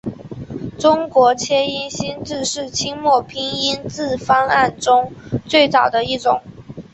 中国切音新字是清末拼音字方案中最早的一种。